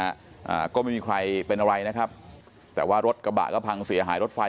อ่าก็ไม่มีใครเป็นอะไรนะครับแต่ว่ารถกระบะก็พังเสียหายรถไฟ